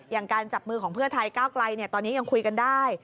อย่างการจับมือของเพื่อไทยก้าวไกลตอนนี้ยังคุยกันได้